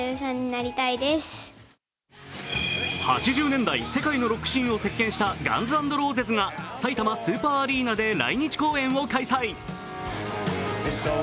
８０年代世界のロックシーンを席巻したガンズ・アンド・ローゼスがさいたまスーパーアリーナで来日公演を開催。